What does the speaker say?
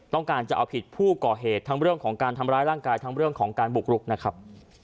ต้องการจะเอาผิดผู้ก่อเหตุทั้งเรื่องของการทำร้ายร่างกายทั้งเรื่องของการบุกรุกนะครับ